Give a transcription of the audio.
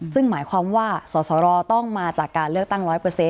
ซึ่งหมายความว่าสสรต้องมาจากการเลือกตั้ง๑๐๐